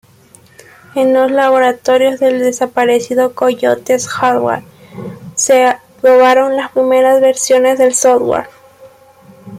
En los laboratorios del desaparecido Coyotes Hardware se probaron las primeras versiones del "software".